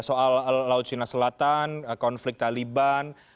soal laut cina selatan konflik taliban